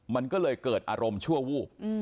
มันก็เลยเกิดอารมณ์ชั่ววูบ